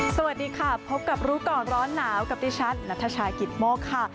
สวัสดีค่ะพบกับรู้ก่อนร้อนหนาวกับดิฉันนัทชายกิตโมกค่ะ